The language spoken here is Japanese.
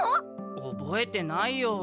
おぼえてないよ。